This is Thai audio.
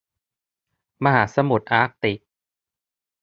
มหาสมุทรอาร์กติก